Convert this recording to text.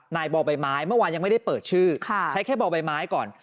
บ่อใบไม้เมื่อวานยังไม่ได้เปิดชื่อใช้แค่บ่อใบไม้ก่อน